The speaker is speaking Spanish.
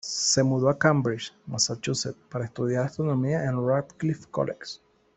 Se mudó a Cambridge, Massachusetts, para estudiar astronomía en el Radcliffe College.